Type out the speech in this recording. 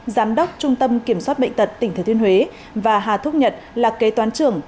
giám đốc trung tâm kiểm soát bệnh tật tỉnh thừa thiên huế và hà thúc nhật là kế toán trưởng